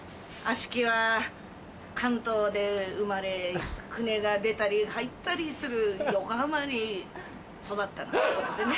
あしきは関東で生まれ船が出たり入ったりする横浜に育ったの。